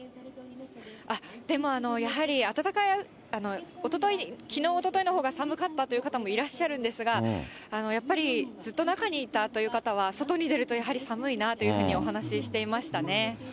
でもやはり、きのう、おとといのほうが寒かったという方もいらっしゃるんですが、やっぱり、ずっと中にいたという方は、外に出るとやはり寒いなというふうにお話ししていましたね。